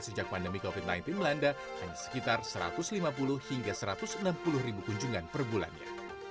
sejak pandemi covid sembilan belas melanda hanya sekitar satu ratus lima puluh hingga satu ratus enam puluh ribu kunjungan per bulannya